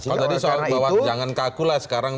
kalau tadi soal bahwa jangan kalkulah sekarang